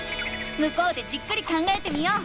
向こうでじっくり考えてみよう。